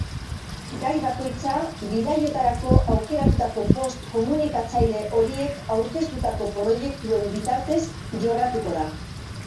Gai bakoitza bidaiotarako aukeratutako bost komunikatzaile horiek aurkeztutako proiektuen bitartez jorratuko da.